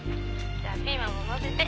「じゃあピーマンものせて。